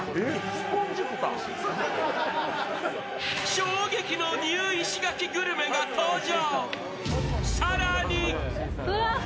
衝撃のニュー石垣グルメが登場。